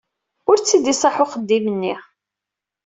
Ur t-id-iṣaḥ uxeddim-nni.